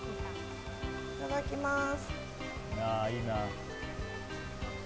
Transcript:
いただきます。